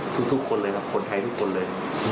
ทุกคนเลยครับคนไทยทุกคนเลย